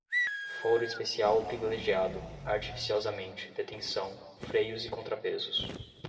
foro especial ou privilegiado, artificiosamente, detenção, freios e contrapesos